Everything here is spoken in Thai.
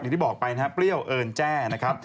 อย่างที่บอกไปนะครับเปรี้ยวเอิญแจ้นะครับ